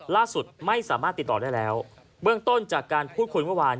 ล่าสุดไม่สามารถติดต่อได้แล้วเบื้องต้นจากการพูดคุยเมื่อวาน